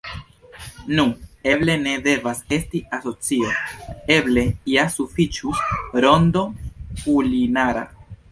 Nu, eble ne devas esti asocio; eble ja sufiĉus “Rondo Kulinara.